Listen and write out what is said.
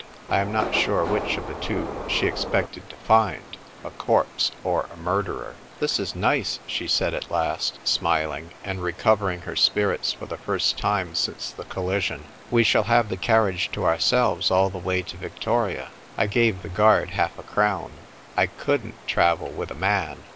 I am not sure which of the two she expected to find — a corpse or a murderer. "This is nice," she said at last, smiling, and recovering her spirits for the first time since the collision. " We shall have the carriage to ourselves all the way to Victoria. I gave the guard half a crown. I couldnt travel with a man.